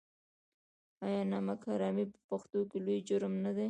آیا نمک حرامي په پښتنو کې لوی جرم نه دی؟